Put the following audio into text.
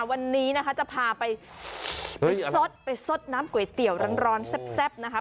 วันนี้นะคะจะพาไปไปสดไปซดน้ำก๋วยเตี๋ยวร้อนแซ่บนะคะ